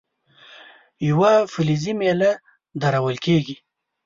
یوه فلزي میله درول کیږي.